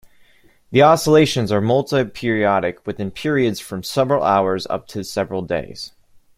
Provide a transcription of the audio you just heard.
The oscillations are multi-periodic with periods from several hours up to several days.